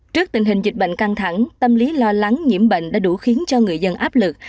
trước tình hình dịch bệnh căng thẳng tâm lý lo lắng nhiễm bệnh đã đủ khiến cho người dân áp lực